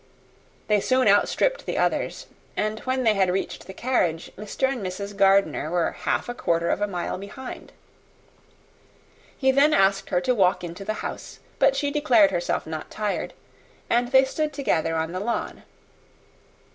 They soon outstripped the others; and when they had reached the carriage, Mr. and Mrs. Gardiner were half a quarter of a mile behind. He then asked her to walk into the house but she declared herself not tired, and they stood together on the lawn.